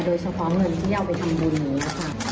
โดยเฉพาะเงินที่เอาไปทำบุญอย่างนี้ค่ะ